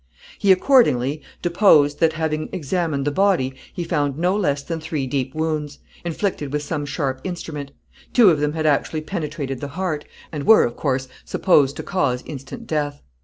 He, accordingly, deposed, that having examined the body, he found no less than three deep wounds, inflicted with some sharp instrument; two of them had actually penetrated the heart, and were, of course, supposed to cause instant death.